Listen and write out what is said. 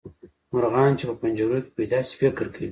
مرغان چې په پنجرو کې پیدا شي فکر کوي.